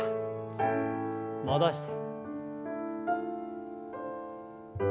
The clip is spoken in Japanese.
戻して。